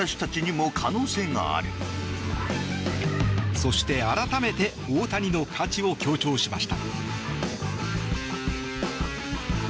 そして、改めて大谷の価値を強調しました。